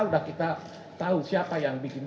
mk sudah kita tahu siapa yang bikinnya